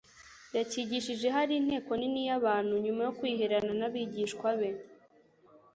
yacyigishije hari inteko nini y'abantu. Nyuma yo kwihererana n'abigishwa be,